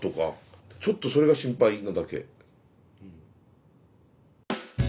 ちょっとそれが心配なだけうん。